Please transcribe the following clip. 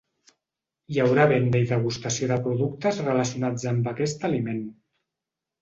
Hi haurà venda i degustació de productes relacionats amb aquest aliment.